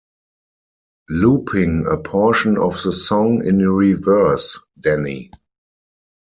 Looping a portion of the song in reverse, Danny!